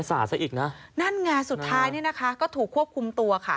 อาหารสุดท้ายก็ถูกควบคุมตัว